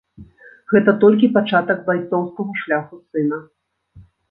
Гэта толькі пачатак байцоўскага шляху сына.